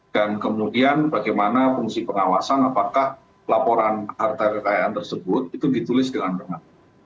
dan kemudian bagaimana fungsi pengawasan apakah laporan harta kekayaan tersebut itu ditulis dengan benar